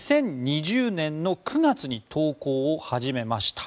２０２０年の９月に投稿を始めました。